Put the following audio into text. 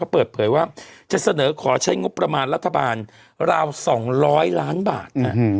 เปิดเผยว่าจะเสนอขอใช้งบประมาณรัฐบาลราว๒๐๐ล้านบาท